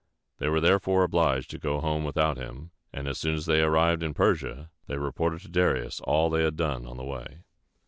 They were therefore obliged to go home without him; and as soon as they arrived in Persia, they reported to Darius all they had done on the way.